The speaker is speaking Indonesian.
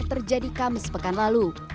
terjadi kamis pekan lalu